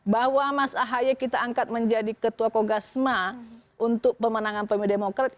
bahwa mas ahaye kita angkat menjadi ketua kogasma untuk pemenangan pemilu demokrat